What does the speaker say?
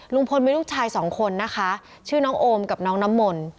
ลุงพลมีลูกชายสองคนนะคะชื่อน้องโอมกับน้องน้ำมนต์